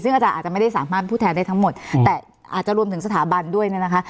ซึ่งอาจารย์อาจจะไม่ได้สามารถพูดแทนได้ทั้งหมดแต่อาจจะรวมถึงสถาบันด้วยเนี่ยนะคะ